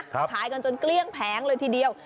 ขายกันจนเกลี้ยงแผงเลยทีเดียว